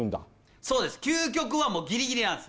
そうです、究極はもうぎりぎりなんです。